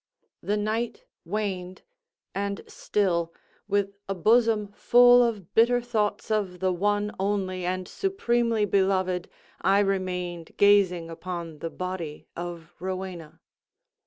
The night waned; and still, with a bosom full of bitter thoughts of the one only and supremely beloved, I remained gazing upon the body of Rowena.